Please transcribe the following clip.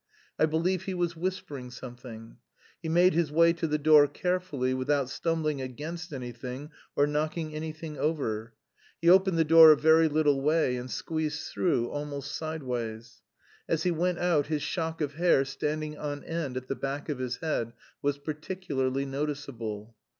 I believe he was whispering something. He made his way to the door carefully, without stumbling against anything or knocking anything over; he opened the door a very little way, and squeezed through almost sideways. As he went out his shock of hair standing on end at the back of his head was particularly noticeable.